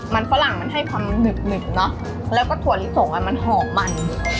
มันฝรั่งมันให้ความหนึบหนึบเนอะแล้วก็ถั่วอันวันหอมมัน